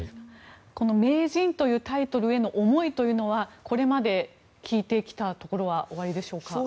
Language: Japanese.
名人というタイトルへの思いというのはこれまで聞いてきたところはおありでしょうか。